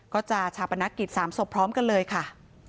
ก็จะชาปนกิจ๓ศพพร้อมกันเลยค่ะ